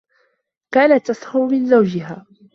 كانت تسخر من زوجها.